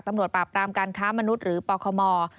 ตำรวจปราบปรามการค้ามนุษย์หรือปลอคมอร์